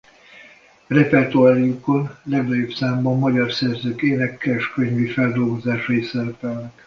Repertoárjukon legnagyobb számban magyar szerzők énekeskönyvi feldolgozásai szerepelnek.